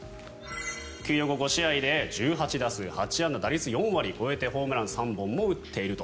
休養後５試合で１８打数８安打打率４割を超えてホームラン３本も打っていると。